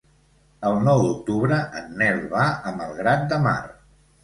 El nou d'octubre en Nel va a Malgrat de Mar.